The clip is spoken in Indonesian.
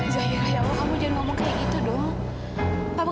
zaira ya allah kamu jangan ngomong kayak gitu dong